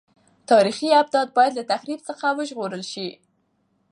تاریخي ابدات باید له تخریب څخه وژغورل شي.